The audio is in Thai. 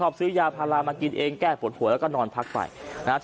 เบื้องต้นก็เลยคาดการณ์ว่า